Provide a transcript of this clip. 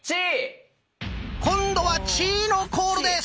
今度は「チー」のコールです！